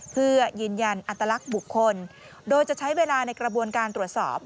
เพื่อยืนยันอัตลักษณ์บุคคลโดยจะใช้เวลาในกระบวนการตรวจสอบ